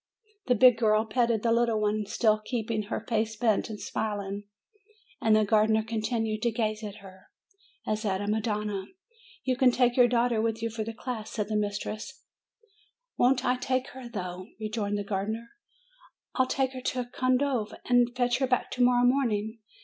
The big girl petted the little one, still keeping her 308 MAY face bent, and smiling, and the gardener continued to gaze at her, as at a madonna. 'You can take your daughter with you for the day," said the mistress. "Won't I take her, though!" rejoined the gardener. "Fll take her to Condove, and fetch her back to morrow morning.